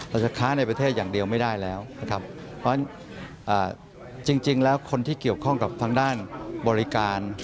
และคนที่เกี่ยวข้องกับทางด้านบริการ